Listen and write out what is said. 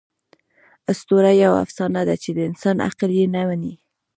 آسطوره یوه افسانه ده، چي د انسان عقل ئې نه مني.